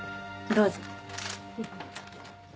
どうぞ。